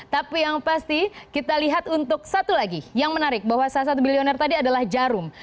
tapi yang pasti kita lihat untuk satu lagi yang menarik bahwa salah satu bilioner tadi adalah jarum